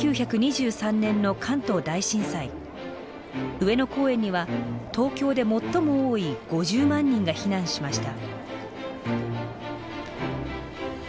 上野公園には東京で最も多い５０万人が避難しました。